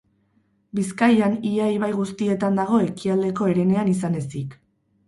Bizkaian ia ibai guztietan dago ekialdeko herenean izan ezik.